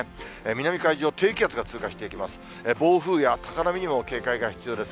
南海上、低気圧が通過していきます。